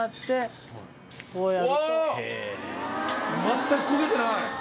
全く焦げてない！